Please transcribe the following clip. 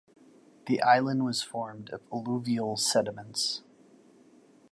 The island was formed of alluvial sediments.